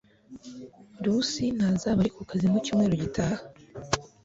Lusi ntazaba ari kukazi mucyumweru gitaha